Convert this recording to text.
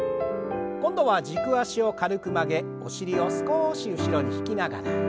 今度は軸足を軽く曲げお尻を少し後ろに引きながら。